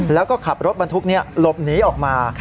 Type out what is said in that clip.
แล้วก็ขับรถบรรทุกนี้หลบหนีออกมา